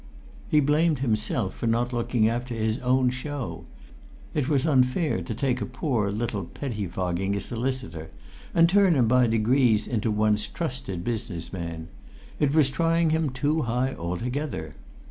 He blamed himself for not looking after his own show; it was unfair to take a poor little pettifogging solicitor and turn him by degrees into one's trusted business man; it was trying him too high altogether.